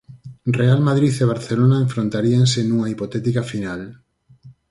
Real Madrid e Barcelona enfrontaríanse nunha hipotética final.